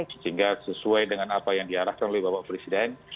sehingga sesuai dengan apa yang diarahkan oleh bapak presiden